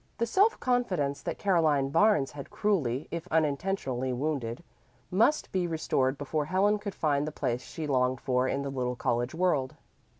The self confidence that Caroline Barnes had cruelly, if unintentionally wounded, must be restored before Helen could find the place she longed for in the little college world.